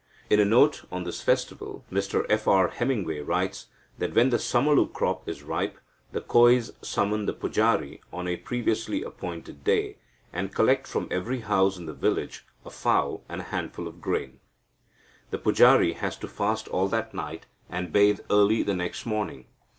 In a note on this festival, Mr F. R. Hemingway writes that "when the samalu crop is ripe, the Kois summon the pujari on a previously appointed day, and collect from every house in the village a fowl and a handful of grain. The pujari has to fast all that night, and bathe early the next morning.